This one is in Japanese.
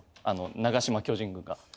長嶋巨人軍が。